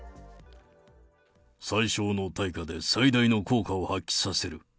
最小の対価で最大の効果を発揮させる。